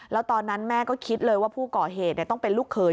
แล้วตอนนั้นแม่ก็คิดเลยว่าผู้ก่อเหตุต้องเป็นลูกเขย